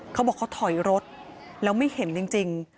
เขาบอกเขาถอยรถแล้วไม่เห็นจริง